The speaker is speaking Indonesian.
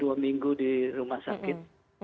dua minggu di rumah sakit